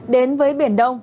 đến với biển đông